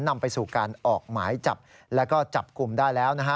นำไปสู่การออกหมายจับแล้วก็จับกลุ่มได้แล้วนะฮะ